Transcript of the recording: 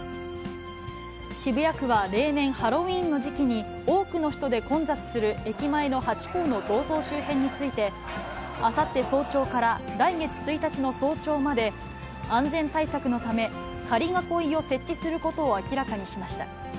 渋谷区は例年、ハロウィーンの時期に多くの人で混雑する駅前のハチ公の銅像周辺について、あさって早朝から来月１日の早朝まで、安全対策のため仮囲いを設置することを明らかにしました。